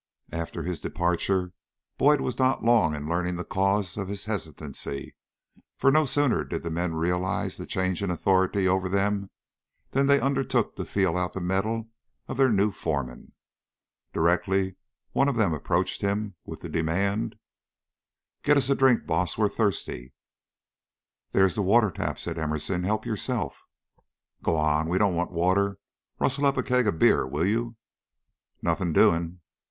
After his departure, Boyd was not long in learning the cause of his hesitancy, for no sooner did the men realize the change in authority over them than they undertook to feel out the mettle of their new foreman. Directly one of them approached him, with the demand: "Get us a drink, boss; we're thirsty." "There is the water tap," said Emerson. "Help yourself." "Go on! We don't want water. Rustle up a keg of beer, will you?" "Nothing doing."